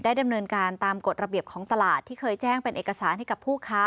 ดำเนินการตามกฎระเบียบของตลาดที่เคยแจ้งเป็นเอกสารให้กับผู้ค้า